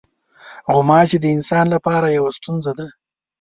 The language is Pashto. غوماشې د انسان لپاره یوه ستونزه ده.